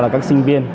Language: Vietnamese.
các sinh viên